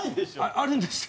あるんですよ。